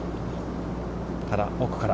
ただ、奥から。